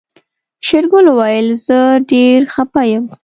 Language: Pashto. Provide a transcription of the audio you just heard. شېرګل وويل زه ډېر خپه يم.